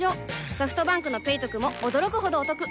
ソフトバンクの「ペイトク」も驚くほどおトク